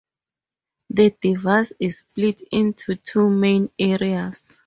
The device is split into two main areas.